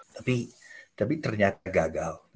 tapi tapi ternyata gagal